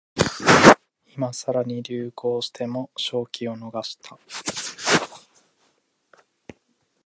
今さら流行しても商機を逃した